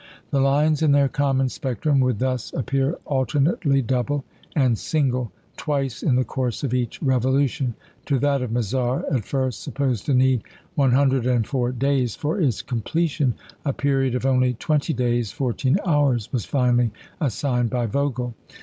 The lines in their common spectrum would thus appear alternately double and single twice in the course of each revolution. To that of Mizar, at first supposed to need 104 days for its completion, a period of only twenty days fourteen hours was finally assigned by Vogel.